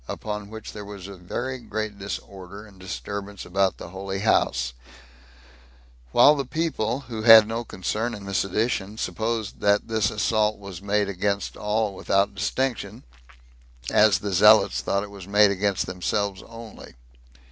Upon which there was a very great disorder and disturbance about the holy house; while the people, who had no concern in the sedition, supposed that this assault was made against all without distinction, as the zealots thought it was made against themselves only.